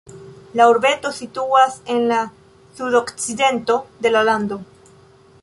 La urbeto situas en la sudokcidento de la lando.